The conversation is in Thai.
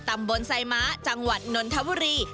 ตำบลไซม้าจังหวัดนนทบุรี